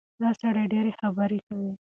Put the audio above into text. دا سړی ډېرې خبرې کوي.